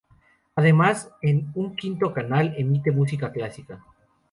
Además, en un quinto canal emite música clásica.